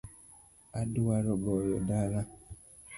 Adwa goyo dala